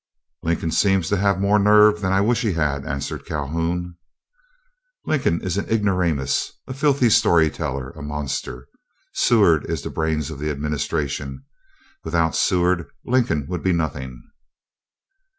"Lincoln seems to have more nerve than I wish he had," answered Calhoun. "Lincoln is an ignoramus, a filthy story teller, a monster. Seward is the brains of the administration. Without Seward, Lincoln would be nothing."